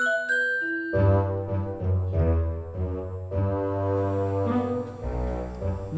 tapi si ini nampaknya aneh